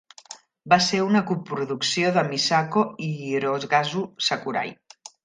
Va ser una coproducció de Misako i Hirokazu Sakurai.